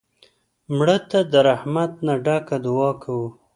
مړه ته د رحمت نه ډکه دعا کوو